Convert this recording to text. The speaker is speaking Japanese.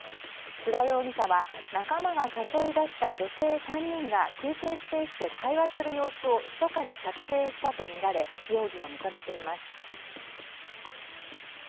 津田容疑者は仲間が誘い出した女性３人が休憩スペースで会話する様子をひそかに撮影したとみられ容疑を認めています。